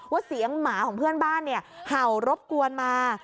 เสียงหมาของเพื่อนบ้านเห่ารบกวนมา